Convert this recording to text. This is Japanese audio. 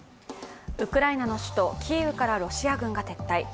ウクライナの首都キーウからロシア軍が撤退。